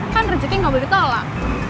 kan rezeki nggak boleh ditolak